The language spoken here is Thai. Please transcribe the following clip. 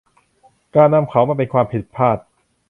การนำเขามาเป็นความผิดพลาด